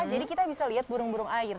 jadi kita bisa lihat burung burung air